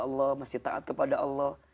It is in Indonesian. allah masih taat kepada allah